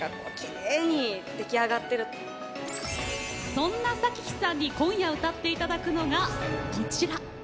そんな咲妃さんに今夜、歌っていただくのがこちら。